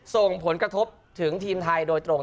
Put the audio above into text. ส่งผลกระทบถึงทีมไทยโดยตรง